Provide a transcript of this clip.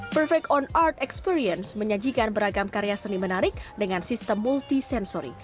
perfect on art experience menyajikan beragam karya seni menarik dengan sistem multisensori